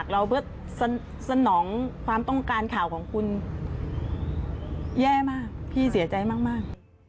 เราเพื่อสนองความต้องการข่าวของคุณแย่มากพี่เสียใจมาก